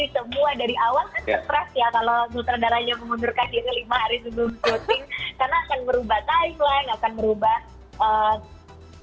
semua dari awal ya kalau muter darahnya mengundurkan karena akan merubah timeline akan